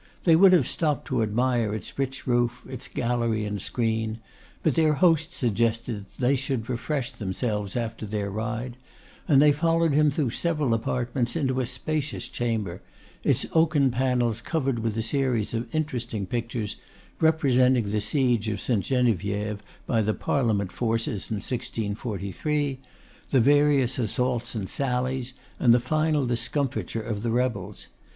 They would have stopped to admire its rich roof, its gallery and screen; but their host suggested that they should refresh themselves after their ride, and they followed him through several apartments into a spacious chamber, its oaken panels covered with a series of interesting pictures, representing the siege of St. Geneviève by the Parliament forces in 1643: the various assaults and sallies, and the final discomfiture of the rebels.